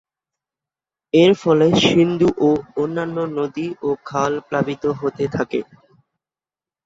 এর ফলে সিন্ধু ও অন্যান্য নদী ও খাল প্লাবিত হতে থাকে।